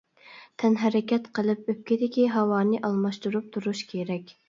تەنھەرىكەت قىلىپ ئۆپكىدىكى ھاۋانى ئالماشتۇرۇپ تۇرۇش كېرەك.